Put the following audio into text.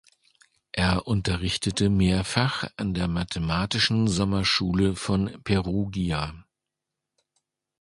Er unterrichtete mehrfach an der mathematischen Sommerschule von Perugia.